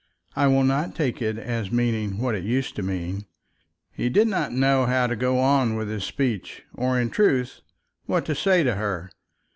I will not take it as meaning what it used to mean." He did not know how to go on with his speech, or in truth what to say to her.